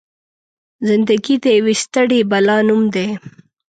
زنده ګي د يوې ستړې بلا نوم دی.